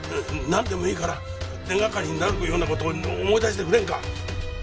なんでもいいから手がかりになるような事を思い出してくれんか？